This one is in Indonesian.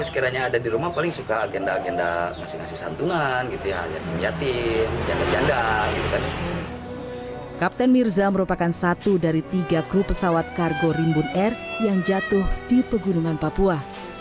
kapten mirza merupakan satu dari tiga kru pesawat kargo rimbun air yang jatuh di pegunungan papua